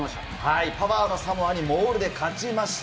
パワーの差もあり、モールで勝ちました。